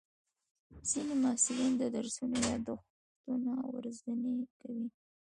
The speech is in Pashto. ځینې محصلین د درسونو یادښتونه ورځني کوي.